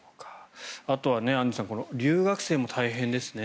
あとはアンジュさん留学生も大変ですね。